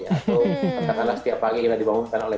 atau setiap pagi dibangunkan oleh